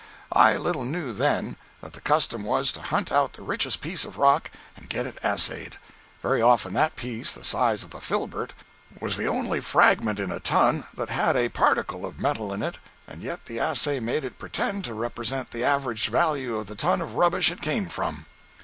I little knew, then, that the custom was to hunt out the richest piece of rock and get it assayed! Very often, that piece, the size of a filbert, was the only fragment in a ton that had a particle of metal in it—and yet the assay made it pretend to represent the average value of the ton of rubbish it came from!